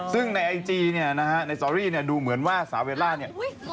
ซึ่งในไอจีเนี่ยนะฮะในสตอรี่เนี่ยดูเหมือนว่าสาวเวลาเนี่ย